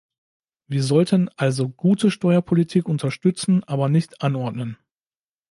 Wir sollten also gute Steuerpolitik unterstützen, aber nicht anordnen.